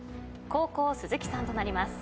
後攻鈴木さんとなります。